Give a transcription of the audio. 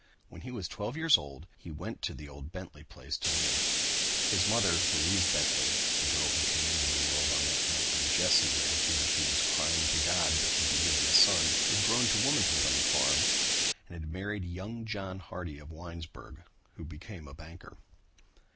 When he was twelve years old he went to the old Bentley place to live. His mother, Louise Bentley, the girl who came into the world on that night when Jesse ran through the fields crying to God that he be given a son, had grown to womanhood on the farm and had married young John Hardy of Winesburg, who became a banker.